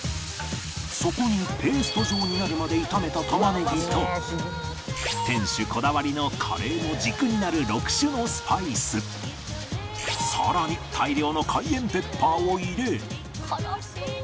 そこにペースト状になるまで炒めた玉ねぎと店主こだわりのカレーの軸になる６種のスパイスさらに大量のカイエンペッパーを入れ「辛そう」